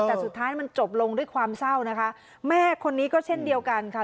แต่สุดท้ายมันจบลงด้วยความเศร้านะคะแม่คนนี้ก็เช่นเดียวกันค่ะ